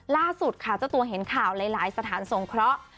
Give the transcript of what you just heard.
ล่าสุดค่ะเจ้าตัวเห็นข่าวหลายสถานสงเคราะห์